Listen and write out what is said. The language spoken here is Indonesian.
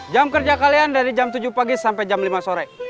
jam kerja kalian dari jam tujuh pagi sampai jam lima sore